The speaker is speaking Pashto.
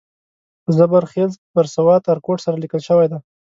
په زبر خېل بر سوات ارکوټ سره لیکل شوی دی.